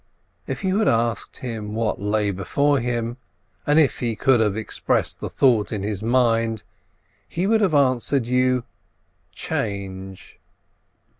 If you had asked him what lay before him, and if he could have expressed the thought in his mind, he would have answered you "change."